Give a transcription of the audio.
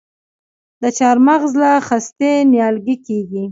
د چهارمغز له خستې نیالګی کیږي؟